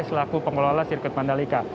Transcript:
selaku pengelola sirkuit mandalika